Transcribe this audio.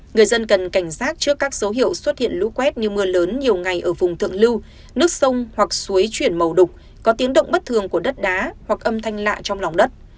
người dân cần cảnh giác trước các dấu hiệu xuất hiện lũ quét như mưa lớn nhiều ngày ở vùng thượng lưu nước sông hoặc suối chuyển màu đục có tiếng động bất thường của đất đá hoặc âm thanh lạ trong lòng đất